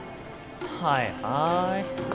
はいはい。